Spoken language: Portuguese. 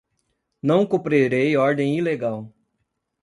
Não cumprirei ordem ilegal